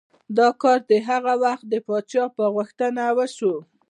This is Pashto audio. دا کار د هغه وخت د پادشاه په غوښتنه وشو.